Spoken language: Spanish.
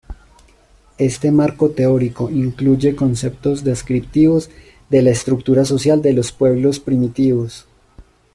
Este marco teórico incluye conceptos descriptivos de la estructura social de los pueblos "primitivos".